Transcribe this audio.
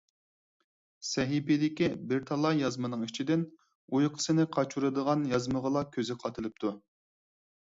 سەھىپىدىكى بىر تالاي يازمىنىڭ ئىچىدىن ئۇيقۇسىنى قاچۇرىدىغان يازمىغىلا كۆزى قادىلىپتۇ.